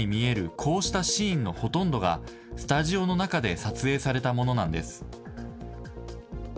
こうしたシーンのほとんどがスタジオの中で撮影されたものなんです。